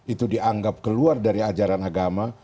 itu dianggap keluar dari ajaran agama